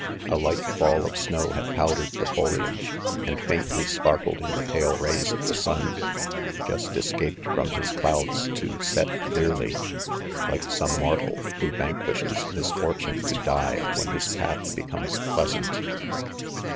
A light fall of snow had powdered the foliage, and faintly sparkled in. the pale rays of the sun, just escaped from his clouds to set clearly 5 like some mortal who vanquishes misfortune to die when his path be comes pleasant.